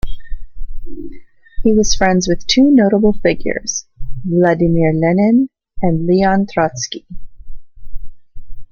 He was friends with two notable figures, Vladimir Lenin and Leon Trotsky.